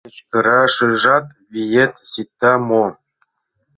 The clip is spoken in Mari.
Кычкырашыжат виет сита мо?